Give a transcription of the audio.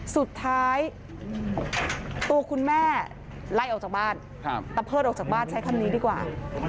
สุดท้ายตัวคุณแม่ไล่ออกจากบ้านตะเพิดออกจากบ้านใช้คำนี้ดีกว่า